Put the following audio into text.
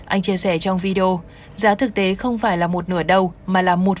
anh chia sẻ trong video giá thực tế không phải là một nửa đầu mà là một phần một mươi cũng có